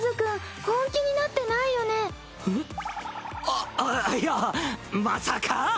あっあぁいやまさか！